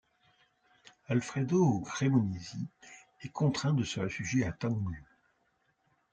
Alfredo Cremonesi est contraint de se réfugier à Taungû.